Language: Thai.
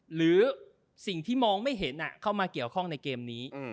หรือสิ่งที่มองไม่เห็นเข้ามาเกี่ยวข้องในเกมนี้